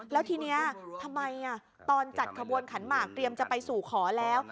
แล้วทีนี้ทำไมตอนจัดขบวนขันหมากเตรียมจะไปสู่ขอแล้ว